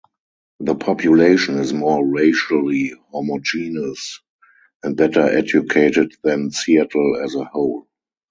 The population is more racially homogeneous and better educated than Seattle as a whole.